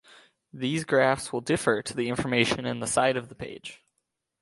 These graphs will differ to the information in the side of the page.